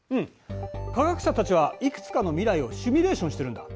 科学者たちはいくつかの未来をシミュレーションしているんだ。